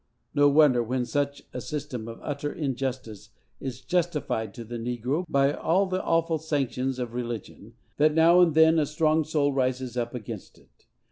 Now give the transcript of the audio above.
No wonder, when such a system of utter injustice is justified to the negro by all the awful sanctions of religion, that now and then a strong soul rises up against it.